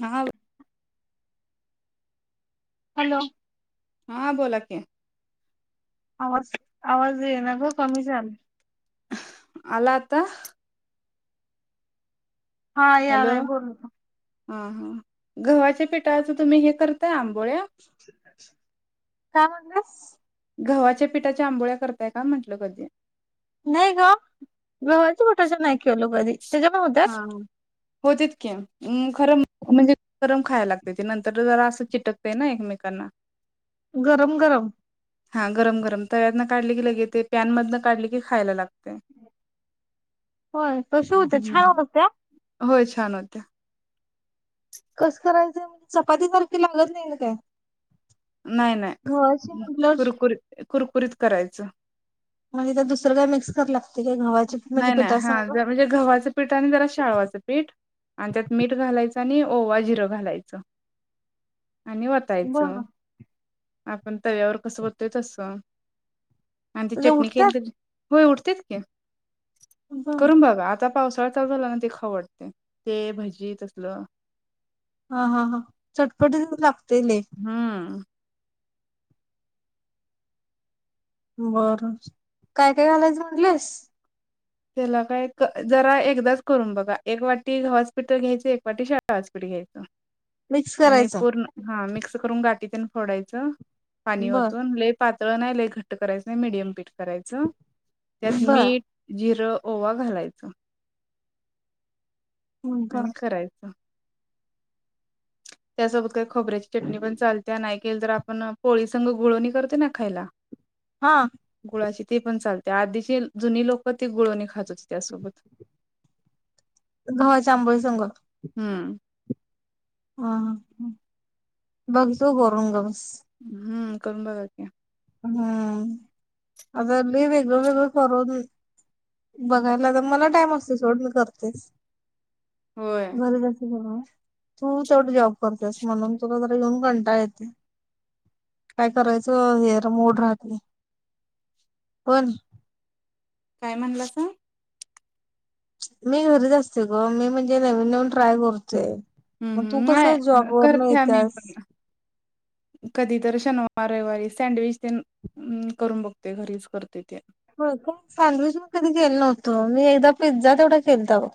ह हॅलो हा बोला कि आवाज ये ना ग कमी चाल आलाता हा यार हॅलो आहे बोलू हा हा गव्हाच्या पिठाचं तुम्ही हे कर काय मागण्यास गव्हाच्या पिठाच्या आंबोळ्या करताय का म्हंटलं कधी नाही का घजी कठच नाही कवालू ते जमा होतात होतेच की खरम म्हणजे गरम खायला लागते ते नंतर जरा असं चिटकतय ना एकमेकांना गरम गरम हा गरम गरम तव्यात न काढले की लगे ते पॅन मधन काढले की खायला लागते होय त श होत छान होत्या होय छान होत्या कस करायचं चपाती सारखे लागत नाही ना काय नाही गव्हाची नाही म्हटल्यावर कुरकुरीत कुरकुरीत करायचं म्हणजे तर दुसरं काय मिक्स करू लागते काय गव्हाची म्हणजे नाही नाही हा पिठासंग जर म्हणजे गव्हाचं पीठ आणि जरा शाळवाचं पीठ आणि त्यात मीठ घालायचं आणि ओवा जिरं घालायचं आणि बरं वतायचं आपण तव यावर कसं बघतय तसं आणि ते त्याच्या चटणी के उठत्यात दिली हो उठते का बर करून बघ आता पावसाळा चालू झाला ना ते खवडते ते भजी तसलं हा हा हा चटपटी लागत हम्म. बरं काय काय घालायचं म्हंटलीस? त्याला काय जरा एकदाच करून बघा. एक वाटी गव्हाचं पीठ घ्यायचं, एक वाटी शाळवाचं पीठ घ्यायचं मिक्स आणि करायचं पूर्ण हा मिक्स करून गाठी तेन फोडायचं पाणी बर वतून लय पात ळ नाही, लय घट्ट करायचं नाही मिडियम पीठ करायचं. त्यात बर मीठ जिरं ओवा घालायचा. बर आणि करायचं. त्यासोबत काही खोबऱ्याची चटणी पण चालत्या. नाही केलं तर आपण पोळीसंग गुळवणी करतोय ना खायला हा गुळाचे तेपण चालत्या. आधीची जुनी लोक ते गुळवणी खात होते त्यासोबत. गव्हाच्या आंबोळी संग हम्म हं हं बघतू करून [unintelligible] हम्म. करून बघा की? हम्म. अगं लय वे गळ वेगळं करालोय, बघाय लागत मला टाइम असतंय सोड, मी करतेच. होय घरीच असते म्हणून तू तेवढं जॉब करतेस म्हणून तुला जम म्हणून कंटाळा येत नाही. काय करायचं हेन मूड राहत नाही, पण काय म्हणलासा? मी घरीच असते गं, मी म्हणजे नवीन नवीन ट्राय करतोय. हम्म हम्म, नाय करत्या येत्यास मीपण कधीतर शन वार रविवारी. सँडविच तेन करून बघते घरीच करते ते. होय का, सँडविच मग कधी केलं नव्हतं, मी एकदा पिझ्झा तेवढा केलता बघ.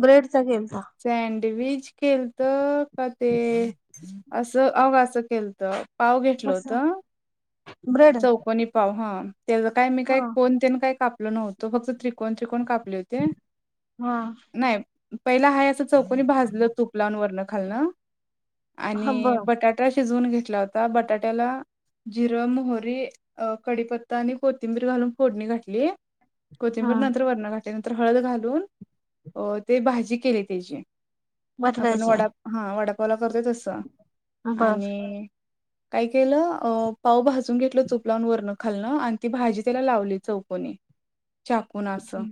ब्रेडचा केलता सँडविच केलतं का ते असं अव असं केलतं. पाव घेतलं कसा होतं ब्रेड चौकनी पाव हा त्याचं काय मी हा काय कोण तेन काय काप आप नव्हतं फक्त त्रिकोण त्रिकोण कापले होते. हा. नाही पहिला हा असं चौकणी भाजलेलं तूप लावून वरण खालणं. हा बर आणि बटाटा शिजवून घेत ता बटाट्याला जिर मोह री कडीपत्ता आणि कोथिंबीर घालून फोडणी घातली हा कोथिंबपूर नंतर वरण त्यानंतर हळद घालून अ ते भाजी केले त्याची. आपण बदलायचे वडा हा वडा करत असं बर आणि काय केलं पावभज घेतल चुपलावून वरण खालणं आणि ती भाजी त्याला लावली चौकोनी चाकून असं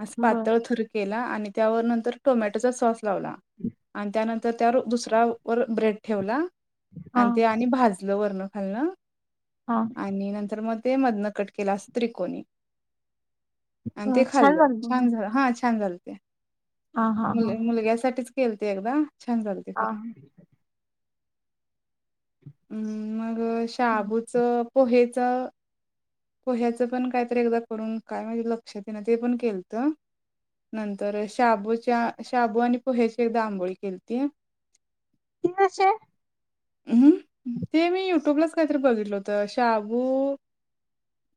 अस बर पातळ थर केला आणि त्यावर नंतर टोमॅटोचा सॉस लावला आणि त्यानंतर त्या दुसऱ्या वर ब्रेड ठेवला. हा आणि ते आणि भाजलं वरण [unintelligible] हा आणि नंतर मग ते मधनं कटकला स्त्रिकोणी आणि ते खाल्लं छान झालं हा छान छान झालं. हा हा मुल हा हा मुलग्यासाठीच केलतो अगदा छान जालते हा खरा अम् मग शाबूचं पोहेच पोह्याचं पण कायतरी एकदा करून काय म्हणजे लक्षात ये ना ते पण केलत नंतर शाबूच्या शाबू आणि पोह्याची एकदा आंबोळी केलती कनश हम् ते मी युट्यूबलाच काहीतरी बघितलं होतं शाबू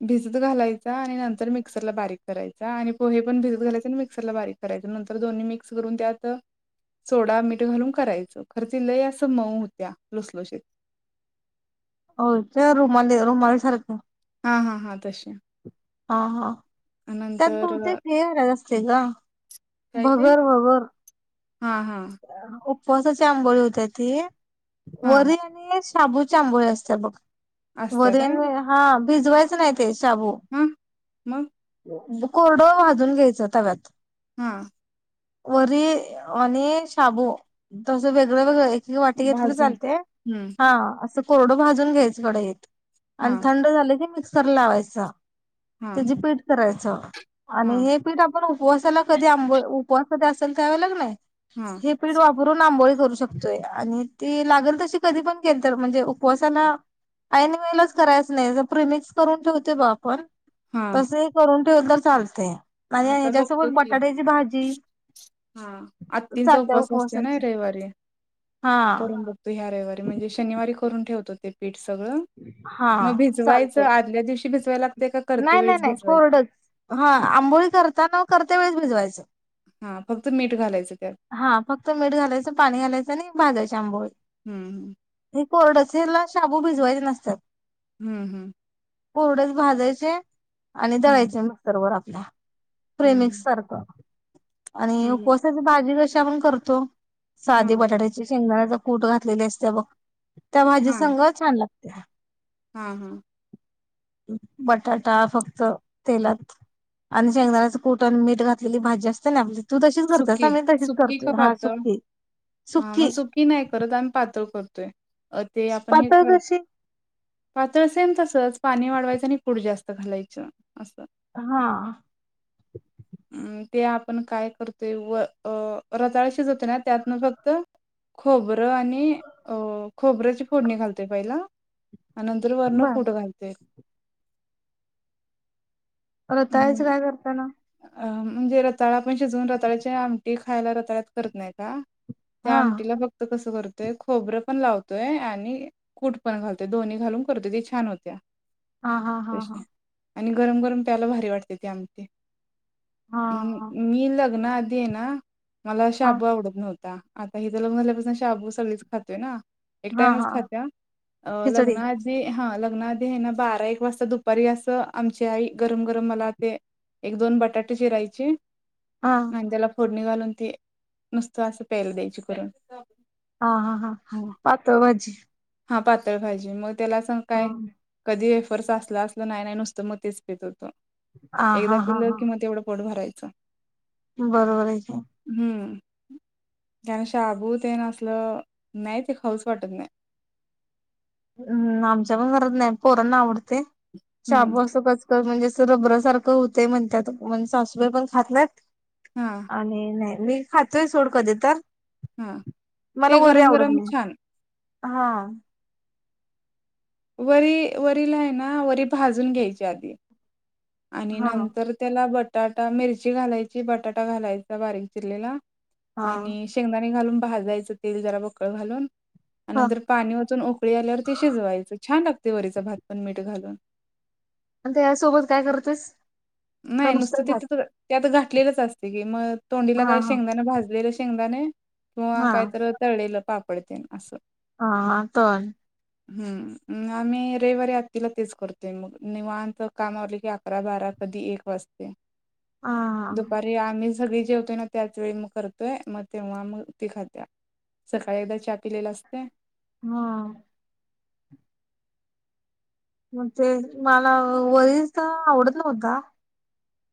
भिजत घालायचा आणि नंतर मिक्सरला बारीक करायचा आणि पोहे पण भजत घायच मिक्सरला बारीक करायच नंतर दोन्ही मिक्स करून त्यात सोडा मीठ घालून करायचं खर्च लय अस मऊ होत्या लुसलुशीत हो त्या रुमाले रुमाली सारखं हा हा हा तश ह हा त्यात बहुते हे घालायचं असते ग काय ते भगर भगर हां हां [inaudible] उपसाची आंबोळी होत्या ती हां वरे आणि शाबू चांबूय असत बघ व असत्या काय? हा [unintelligible] भिजवायचं नाही ते शाबू हां मग कोरडं भाजून घ्यायचं तव्यात हा वर आणि शाबू तसं वेगळं वेगळं वाट घेत भाजून चालते हं, हा असं कोरडं भाजून घ्यायंकडे आणि हां थंड झाले ते मिक्स मिक्सर ला लावायचं हां त्याची पीठ कराय च आणि हां हे पीठा आपण उपवासाला कधी आंब उपवास कधी असेल त्या वेळी कणी हां हे पिढू वापरून आंबोली करू शकतोय न शकतोय आणि ती लागेल तशी कधी पण केेल तर म्हणजे उपवासाला आऐन वेळेलाच करायचं अस नाही प्रिमिक्स करून ठेवतोय बा आपण हां तसही करून हा चालतंय आणि आता बघतो ह्याच्यासोबत की बटाट्याची भाजी त्यांचा चालते उपवास असते ना उपवासाची रविवारी हा करून बघतो या रविवारी म्हणजे शनिवारी करून ठेवतो ते पीठ सगळं.. हा मग भिजवायच चालते आदल्या दिवशी भिजवू चला नाही नाही नाही कोरडच हा आंबोळी करता न करता वेळेस भिजवायचं हा फक्त मीठ घालायचं त्यात हा फक्त मीठ घालायचं पाणी घालायचं आणि मग भाजायचे आंबोळी हम्म हम्म कोरड्या हेला शाबू भिजवायचे नसतात. हम्म हम्म कोरडंच भाजाय चे आणि हम्म दळायचे मिक्सर वर रात ला. प्रेमिक्स हम्म सारखं आणि हम्म हम्म उपवासाच भाजी कशी ते आपण करतो. हा साधे बटाट्याचे शेंगदाण्या कूट घातलेली असत्या बघ. त्या भाजी हा संग छान लाग ते. हा हा [inaudible] बटाटा फक्त तेलात आणि शेंगदाण्याच कुट आणि मीठ घातलेली भाजी असते ना आपली तू तशीच करतेस सुकी ना मी तशीच सुकी करतोय का हा पातळ सुकी हा मग सुकी नाय करत आम्ही पातळ कर तोय. अ ते आपण हे पातळ करत कशी पातळ सेम तसंच पाणी वाढवायचं आणि कुट जास्त घालायचं. असं हा अ ते आपण काय कर ते वळ अ रताळ शिजत ना त्यातनं फक्त खोबरं आणि अ खोबऱ्याची फोडणी घालतोय पहिला आणि नंतर वरण बर कुट घालतोय. परतायचं अम काय करताना अ म्हणजे रताळा पण शिजवून रताळ्याच्या आमटी खायला रताळ्यात करत नाय का? त्या हा आमटीला फक्त कस करत ते खोबरं पण लावतोय आणि कूट पण घालतोय दोन्ही घालून करतोय ते छान होत्या. हा हा हा तशी हा आणि गरम गरम प्यायला भारी वाटते ती आमटी. हां, मी लग ग्ना आधी हाय ना मला हां, शाबू आवडत नव्हता. आता हि तर लग्न झाल्यापासून शाबू सगळीच खातोय ना एक हां, टामच हां. खात्या लग् खिचडी. लग्नाआधी आहे ना बारा एक वाजता दुपारी अस आमची आई गरम गरम मला ते एक दोन बटाटे चिरायचे हां, आणि त्याला फोडणी घालून ते नुसत असं प्याला द्यायची करून हा हा हा पातळ भाजी हा पातळ भाजी मग त्याला सांग हां, काय कधी र असला असलं नाही नाही नुसतं म तेच पेत होतो हां, एकदा हां, हां, पिल्लं हां. कि मग तेवढं पोट भरायचं [inaudible] बरोबर आहे की त्यांना शाबू ते ना असलं नाही ते खऊस वाटत नाही हम् आमच्या पण घरात नाही पोरण आवडत ते हम्म. शाबू असं तर म्हणजे रबर सारखं होते म्हणतातण सासूबाई पण खात नाहीत हा आणि नाही मी खातोय सोड कधी तर हा ते गरम गरम छान हा वरी वरीला आहे ना भाजून घ्यायची आधी आणि हां, नंतर त्याला बट बटाटा मिरची घालायची, बटाटा घालायचा बारीक चिरलेला, हां, आणि शेंगदाणे घालून, भाजायचं तेल जरा बकळ घालून, हां. नंतर पाणी ओतून उकळी आल्यावर ते शिजवायचं, छान लागत. वरीचा भात पण मीठ घालून, आणि त्या यासोबत काय करतेस का नाही नुसतं भात? तिथे तर त्यात घातलेलेच असते की मग, तोंडीला हां, काही हां, शेंगदाना भाजले. चंगदाने किंवा कायतरी तळलेल पाप पडतेन असं हा तण हम आम्ही रविवारी आतिला तेच करतोय, मग निवांत काम आवरले की अकरा बारा कधी एक वाजते हां, हां, दुपारी आम्हीच सगळी जेवतोय ना त्याच वेळी मग करतोय, मग तेव्हा मग ती खात्या, सकाळी एकदा चहा पिलेला असते. हा मग ते मला वरच तर आवडत नव्हता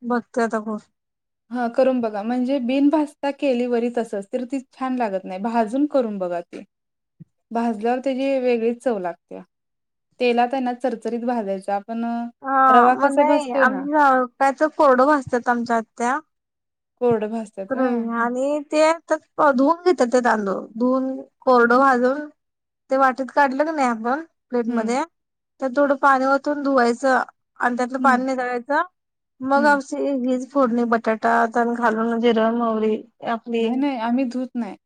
बघते आता करुन हा करून बघा म्हणजे बिनभजता केली वरीचसच तर ती हा करुन बघा म्हणजे बिन भाजता केली वरी तसंच तर ती छान लागत नाही, भाजून करून बघा ती भाजल्यावर त्याची वेगळीच चव लागत्या, तेला त्यांना चरचरीत भाजायचा आपण अ, हा रवा मग कसा नाही भाजतोय ना आम्ही हो त्याच कोरडं भाजतात आमच्यात, त्या कोरडं भाजत्यात व्हय रोळून आणि ते धुवून घेतात, ते तांदूळ धूूवून कोरडो भाजून ते वाटत काढलं की नाही आपण, प्लेट मध्ये हम्म तर थोडं पाणी ओतून धुवायचं, आणि त्यातलं हम्म पाणी निताळायचं मग हम्म अशी, फोडणी बटाटा त्येन घाल जिर मोवरी नाही नाही आम्ही धूत नाही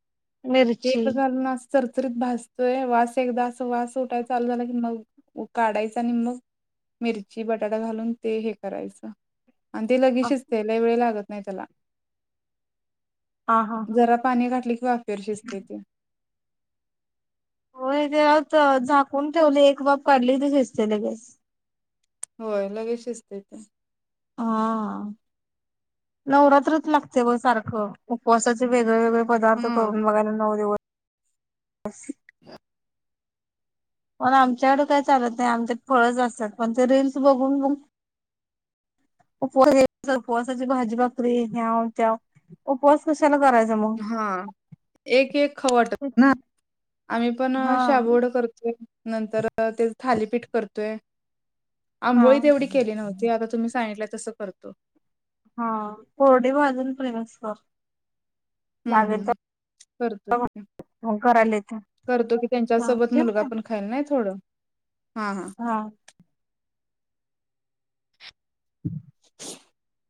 मिरची तेल घालून असं चरचरीत भासतोय वास एकदा अस वास उठाय चालू झाला, की मग काढायचा आणि मग मिरची बटाटा घालून ते हे करायचं. आणि ते लगीच शिजतंय लई वेळ लागत नाही त्याला हा हा जरा पाणी घाट वाफेवर शिजते ते. होय ग त झाकून ठेवली एक वाफ काढली ते शिजतंय लगेच. होय, लगेच शिजतेत हा आ नवरात्रात लागतय ब सारखं उपवासाच वेगवे वेगवेगळे पदार्थ हम्म करून बघायला नऊ दिवस असं पण आमच्याकडं काय चालत नाही, आमच्यात फळंच असतात पण ते रीलस बघून बघून, उपवास... उपवासाची भाजी... भाकरी, ह्याव त्याव... उपवास कशाला करायचा मग. हा एक एक खाऊ वाटत ना आम्ही पण अ हा. शाबूवड करतोय. नंतर त्याचं थालीपीठ करतोय हा आंबोळी तेवढी केली नव्हती. ते आता तुम्ही सांगितलंय तसं करतो. हा कोरडी भाजून प्रिमिक्स कर. हम्म लागेल तर हम् करतो, हम् मग करायला येते. करतो कि हा त्यांच्यासोबत ठेवू मुलगा का? पण खाईल नाही थोडं. हा हा. [unintelligible]